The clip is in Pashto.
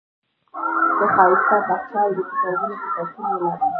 که ښایسته باغچه او د کتابونو کتابتون ولرئ.